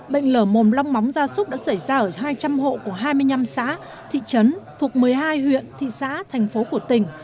bệnh lở mồm long móng gia súc đã xảy ra ở hai trăm linh hộ của hai mươi năm xã thị trấn thuộc một mươi hai huyện thị xã thành phố của tỉnh